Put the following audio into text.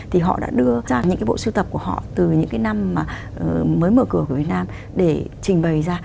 thì họ đã đưa ra những cái bộ siêu tập của họ từ những cái năm mà mới mở cửa của việt nam để trình bày ra